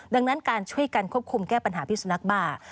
ดังนั้นการช่วยกันควบคุมแก้ปัญหาพิสุนักบ้า